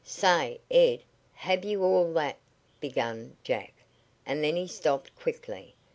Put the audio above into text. "Say, Ed, have you all that " began Jack, and then he stopped quickly.